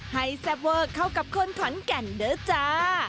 ให้แซ่บเวิร์กเข้ากับคนขวัญแก่นเด้อจ้า